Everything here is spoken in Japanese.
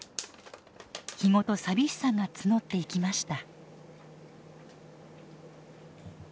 日ごと寂しさが募っていきました。